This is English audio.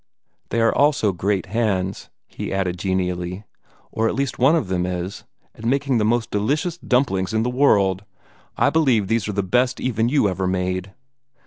They are also great hands," he added genially, "or at least one of them is, at making the most delicious dumplings in the world. I believe these are the best even you ever made."